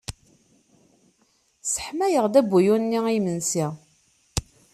Sseḥmaɣ-d abuyun-nni i yimensi.